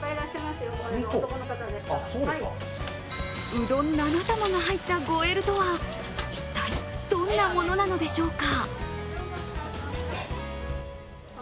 うどん７玉が入った５Ｌとは一体、どんなものなのでしょうか。